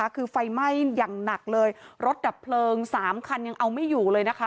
คือไฟไหม้อย่างหนักเลยรถดับเพลิง๓คันยังเอาไม่อยู่เลยนะคะ